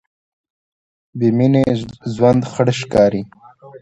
بېمینې ژوند خړ ښکاري.